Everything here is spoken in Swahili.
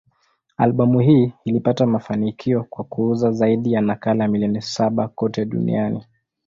Albamu hii ilipata mafanikio kwa kuuza zaidi ya nakala milioni saba kote duniani.